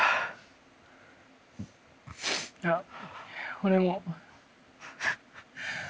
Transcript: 俺も。